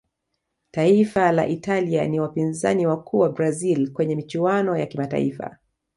taifa la italia ni wapinzani wakuu wa brazil kwenye michuano ya kimataifa